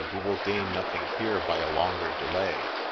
You will gain nothing here by a longer delay.